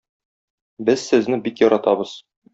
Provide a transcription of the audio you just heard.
Без сезне бик яратабыз!